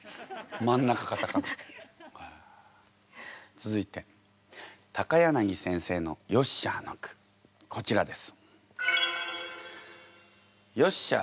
続いて柳先生の「よっしゃあ」の句こちらです。